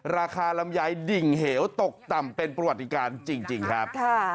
ราคาลำไยดิ่งเหวตกต่ำเป็นประวัติการจริงครับ